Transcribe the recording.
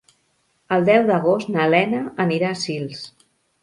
El deu d'agost na Lena anirà a Sils.